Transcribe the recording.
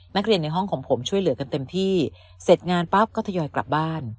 ในห้องของผมช่วยเหลือกันเต็มที่เสร็จงานปั๊บก็ทยอยกลับบ้าน